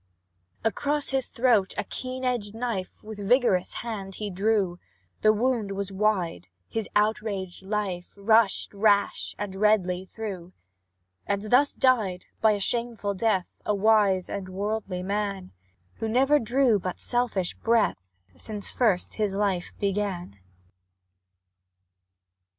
Across his throat a keen edged knife With vigorous hand he drew; The wound was wide his outraged life Rushed rash and redly through. And thus died, by a shameful death, A wise and worldly man, Who never drew but selfish breath Since first his life began.